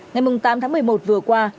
ngày tám tháng một mươi một vừa qua